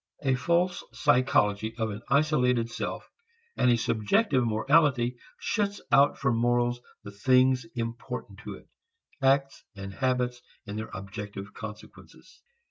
A false psychology of an isolated self and a subjective morality shuts out from morals the things important to it, acts and habits in their objective consequences.